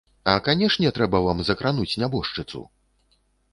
А канешне трэба вам закрануць нябожчыцу?!